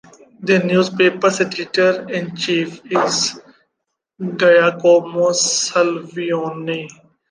The newspaper's editor-in-chief is Giacomo Salvioni.